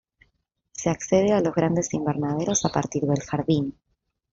Se accede a los grandes invernaderos a partir del jardín.